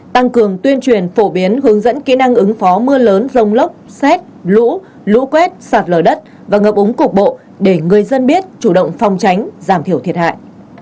tăng cường tuyên truyền phổ biến hướng dẫn kỹ năng ứng phó mưa lớn rông lốc xét lũ lũ quét sạt lở đất và ngập úng cục bộ để người dân biết chủ động phòng tránh giảm thiểu thiệt hại